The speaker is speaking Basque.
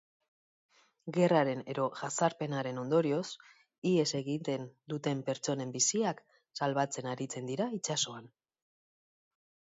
Gerraren edo jazarpenaren ondorioz ihes egiten duten pertsonen biziak salbatzen aritzen dira itsasoan.